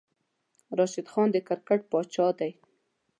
راشد خان د کرکیټ پاچاه دی